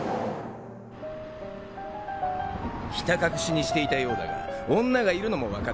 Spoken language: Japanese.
ひた隠しにしていたようだが女がいるのも分かった。